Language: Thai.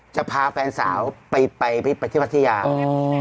จะพาแฟนสาวไปไปที่ประเทศยาว